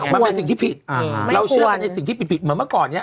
มันเป็นสิ่งที่ผิดเราเชื่อกันในสิ่งที่ผิดเหมือนเมื่อก่อนเนี่ย